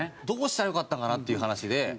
どうしたらよかったんかなっていう話で。